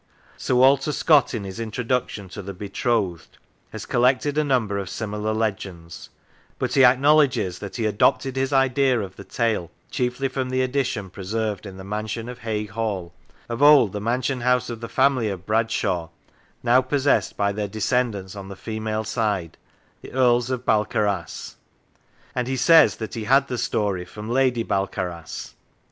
Sir Walter Scott, in his Introduction to " The Betrothed," has collected a number of similar legends, but he acknowledges that he " adopted his idea of the tale chiefly from the edition preserved in the mansion of Haigh Hall, of old the mansion house of the family of Braidshaigh, now possessed by their descendants on the female side, the Earls of Balcarras "; and he says that he had the story first from Lady Balcarras.